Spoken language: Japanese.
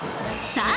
さあ